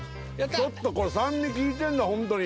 ちょっとこれ酸味効いてんだホントに。